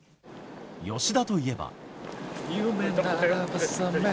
吉田といえば。